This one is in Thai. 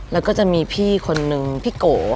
แล้วก็จะมีพี่คนนึงพี่โก